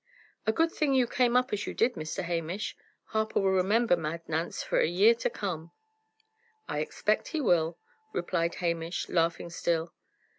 "A good thing you came up as you did, Mr. Hamish. Harper will remember Mad Nance for a year to come." "I expect he will," replied Hamish, laughing still.